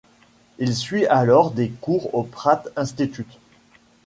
Il suit alors des cours au Pratt Institute.